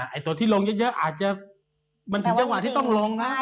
ไอ้ตัวที่ลงเยอะมันจึงถึงจังหวะที่จะต้องลงได้